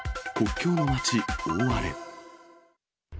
国境の街、大荒れ。